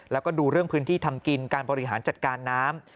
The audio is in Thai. แล้วก็ดูเรื่องพื้นที่ทำกินการบริหารจัดการน้ำ